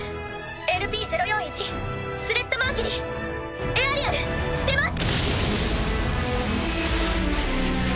ＬＰ０４１スレッタ・マーキュリーエアリアル出ます！